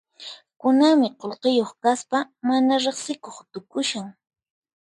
Kunanmi qullqiyuq kaspa mana riqsikuq tukushan.